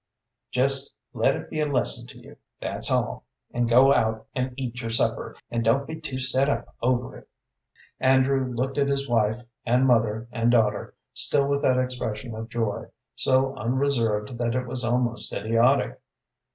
Just let it be a lesson to you, that's all; and go out and eat your supper, and don't be too set up over it." Andrew looked at his wife and mother and daughter, still with that expression of joy, so unreserved that it was almost idiotic.